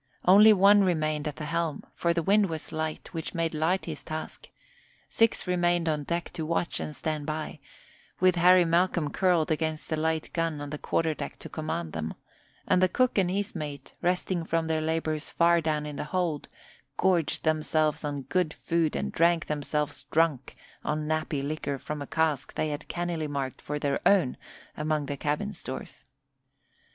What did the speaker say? Only one remained at the helm, for the wind was light, which made light his task; six remained on deck to watch and stand by, with Harry Malcolm curled against the light gun on the quarter deck to command them; and the cook and his mate, resting from their labours far down in the hold, gorged themselves on good food and drank themselves drunk on nappy liquor from a cask they had cannily marked for their own among the cabin stores.